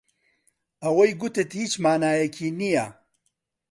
ئەوەی گوتت هیچ مانایەکی نییە.